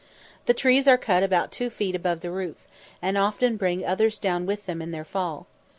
The trees are cut about two feet above the root, and often bring others down with them in their fall.